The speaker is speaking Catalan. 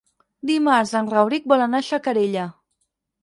Dimarts en Rauric vol anar a Xacarella.